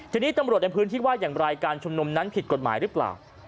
ทีนี้ตำรวจในพื้นที่ว่าอย่างไรการชุมนุมนั้นผิดกฎหมายหรือเปล่า